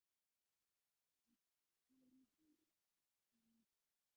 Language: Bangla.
বিশেষত খুদে-নামধারী কুকুরটার স্বত্বাধিকার লইয়া উভয়ের মধ্যে আজ পর্যন্ত কোনো মীমাংসা হয় নাই।